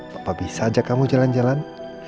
bapak bisa ajak kamu jalan jalan